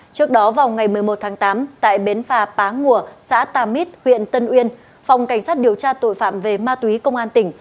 trước đó vào ngày một mươi một tháng tám tại bến phà pá ngùa xã tà mít huyện tân uyên phòng cảnh sát điều tra tội phạm về ma túy công an tỉnh